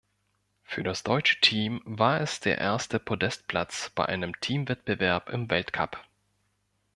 Für das deutsche Team war es der erste Podestplatz bei einem Teamwettbewerb im Weltcup.